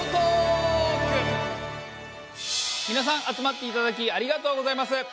みなさん集まっていただきありがとうございます。